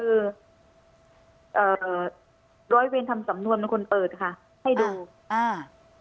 คือเอ่อร้อยเวรทำสำนวนเป็นคนเปิดค่ะให้ดูอ่า